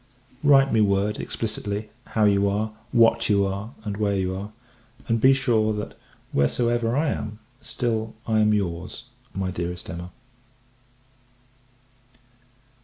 Write me word, explicitly, how you are, what you are, and where you are; and be sure that, wheresoever I am, still I am your's, my dearest Emma.